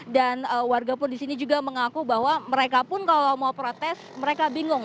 dan warga pun di sini juga mengaku bahwa mereka pun kalau mau protes mereka bingung